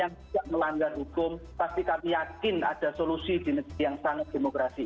yang tidak melanggar hukum pasti kami yakin ada solusi yang sangat demokrasi ini